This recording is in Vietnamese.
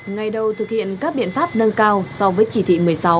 ngày đầu thực hiện các biện pháp nâng cao so với chỉ thị một mươi sáu